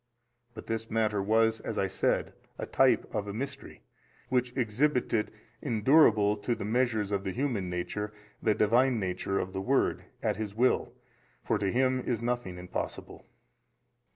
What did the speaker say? But this matter was (as I said) a type of a mystery, which exhibited endurable to the measures of the human nature, the Divine Nature of the Word 22, at His Will, for to Him is nothing impossible.